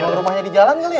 rumahnya di jalan kali ya